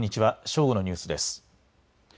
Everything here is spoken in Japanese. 正午のニュースです。